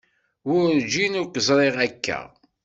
Werǧin i k-ẓriɣ akka.